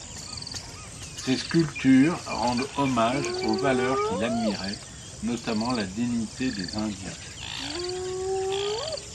Ses sculptures rendent hommage aux valeurs qu'il admirait, notamment la dignité des indiens.